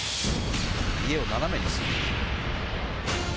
家を斜めにする。